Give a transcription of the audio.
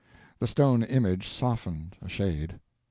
The stone image softened, a shade.